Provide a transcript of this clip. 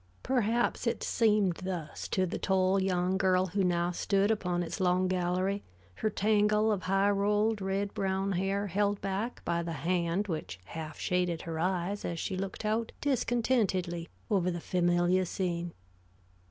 Perhaps it seemed thus to the tall young girl who now stood upon its long gallery, her tangle of high rolled, red brown hair held back by the hand which half shaded her eyes as she looked out discontentedly over the familiar scene.